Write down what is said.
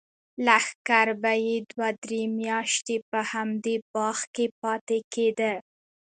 لښکر به یې دوه درې میاشتې په همدې باغ کې پاتې کېده.